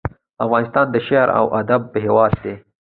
افغانستان د شعر او ادب هیواد دی